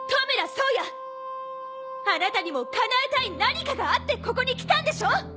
あなたにもかなえたい何かがあってここに来たんでしょ？